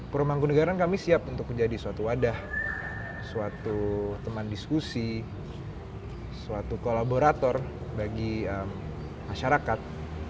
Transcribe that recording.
puro mangkunagaran kami siap untuk menjadi suatu wadah suatu teman diskusi suatu kolaborator bagi masyarakat